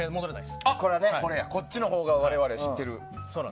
こっちのほうが我々は知ってる。